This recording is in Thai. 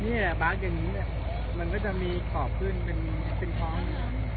นี่แหละปากอย่างงี้ด้วยมันก็จะมีขอบขึ้นเป็นพร้อม